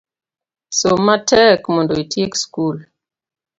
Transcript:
Som matek mondo itiek sikul